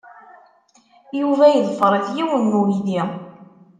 Yuba yeḍfer-it yiwen n uydi.